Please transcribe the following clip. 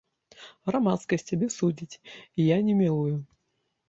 Грамадскасць цябе судзіць, і я не мілую.